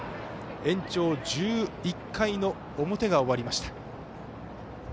延長１１回の表が終わりました。